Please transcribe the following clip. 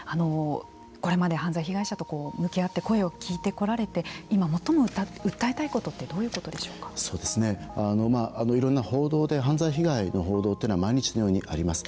これまで犯罪被害者と向き合って声を聞いてこられて今、最も訴えたいことっていろんな報道で犯罪被害の報道というのは毎日のようにあります。